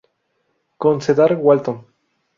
Con Cedar Walton